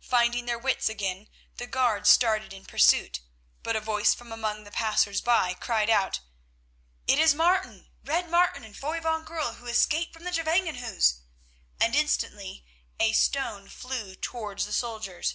Finding their wits again the guards started in pursuit, but a voice from among the passers by cried out: "It is Martin, Red Martin, and Foy van Goorl, who escape from the Gevangenhuis," and instantly a stone flew towards the soldiers.